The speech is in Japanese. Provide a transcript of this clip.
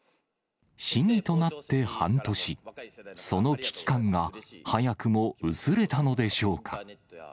市議となって半年、その危機感が、早くも薄れたのでしょうか。